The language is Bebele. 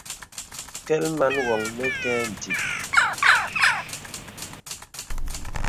Kɛ̀l man wɔŋ nə kɛ ǹdìp.